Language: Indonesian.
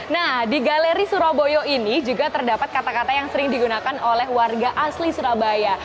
nah di galeri surabaya ini juga terdapat kata kata yang sering digunakan oleh warga asli surabaya